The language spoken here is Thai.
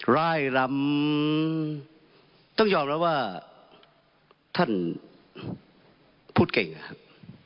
รายลำต้องยอมแล้วว่าท่านพูดเก่งครับ